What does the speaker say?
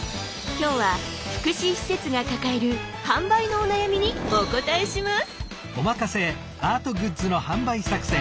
今日は福祉施設が抱える販売のお悩みにお答えします！